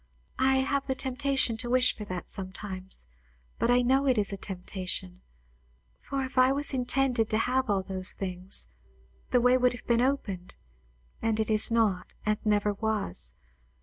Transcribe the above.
I have the temptation to wish for that sometimes; but I know it is a temptation; for if I was intended to have all those things, the way would have been opened, and it is not, and never was.